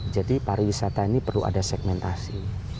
jadi para wisata ini perlu ada segmentasi